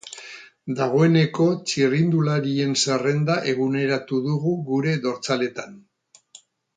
Dagoeneko txirrindularien zerrenda eguneratu dugu gure dortsaletan.